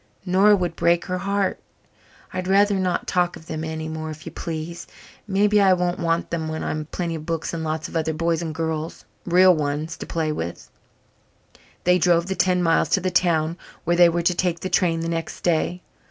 Nora would break her heart. I'd rather not talk of them anymore, if you please. Maybe I won't want them when I've plenty of books and lots of other boys and girls real ones to play with." They drove the ten miles to the town where they were to take the train the next day.